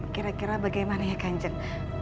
kira kira bagaimana ya kanjeng